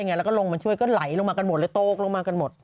แล้วก็ลงมาช่วยก็ไหลลงมากันหมดเลยตกลงมากันหมด